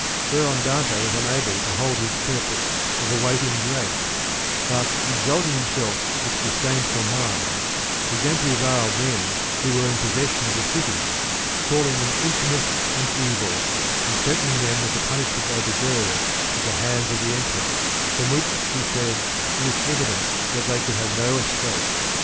Whereon Dante was unable to hold his purpose 128 of awaiting grace, but exalting himself with disdainful mind, began to revile them who were in possession of the city, calling them infamous and evil, and threaten ing them with the punishment they deserved at the hands of the Emperor, from which, he said, it was evident that they could have no escape.